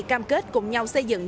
cam kết cùng nhau xây dựng